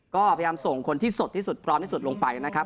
ก็พยายามส่งคนที่สดที่สุดพร้อมที่สุดลงไปนะครับ